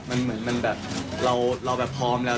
มันเหมือนมันแบบเราแบบพร้อมแล้ว